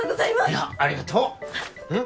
いやありがとう。ん？